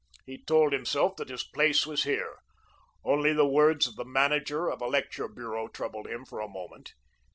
He told himself that his place was here. Only the words of the manager of a lecture bureau troubled him for a moment.